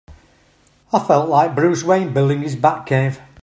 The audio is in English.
I felt like Bruce Wayne building his Batcave!